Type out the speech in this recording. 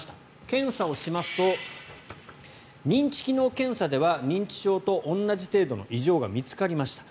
検査をしますと認知機能検査では認知症と同じ程度の異常が見つかりました。